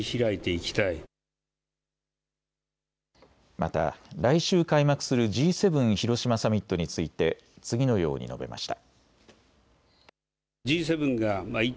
また、来週開幕するＧ７広島サミットについて次のように述べました。